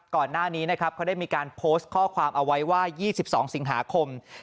ก่อนหน้านี้นะครับเขาได้มีการโพสต์ข้อความเอาไว้ว่า๒๒สิงหาคม